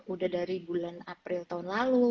udah dari bulan april tahun lalu